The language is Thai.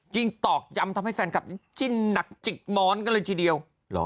ตอกย้ำทำให้แฟนคลับจิ้นหนักจิกม้อนกันเลยทีเดียว